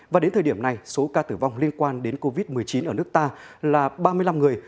và đến thời điểm này số ca tử vong liên quan đến covid một mươi chín ở nước ta là ba mươi năm người